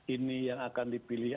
ini yang akan dipilih